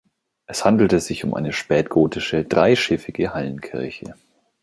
Es handelte sich um eine spätgotische, dreischiffige Hallenkirche.